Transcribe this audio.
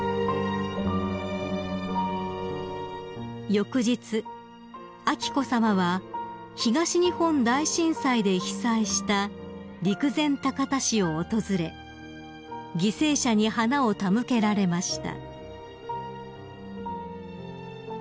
［翌日彬子さまは東日本大震災で被災した陸前高田市を訪れ犠牲者に花を手向けられました］